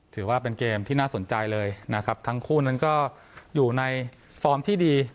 ถือว่าเป็นเกมที่น่าสนใจเลยนะครับทั้งคู่นั้นก็อยู่ในฟอร์มที่ดี